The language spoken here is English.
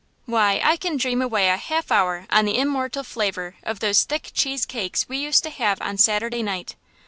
Why, I can dream away a half hour on the immortal flavor of those thick cheese cakes we used to have on Saturday night.